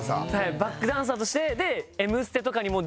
バックダンサーとして。